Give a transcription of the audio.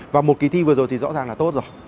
và một kỳ thi vừa rồi thì rõ ràng là tốt rồi